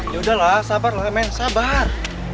yaudahlah sabar lah main sabar